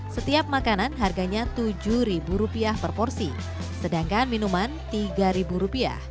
setiap makanan harganya rp tujuh per porsi sedangkan minuman rp tiga